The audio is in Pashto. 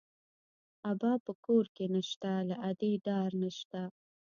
ابا په کور نه شته، له ادې ډار نه شته